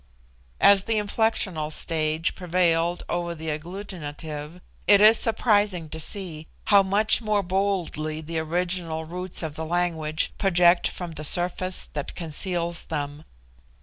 As the inflectional stage prevailed over the agglutinative, it is surprising to see how much more boldly the original roots of the language project from the surface that conceals them.